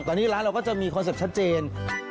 ตอนนี้ร้านเราก็จะมีคอนเซ็ปต์ชัดเจน